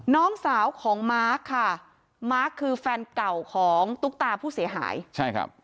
น้องสาวของมาร์คค่ะมาร์คคือแฟนเก่าของตุ๊กตาผู้เสียหายใช่ครับ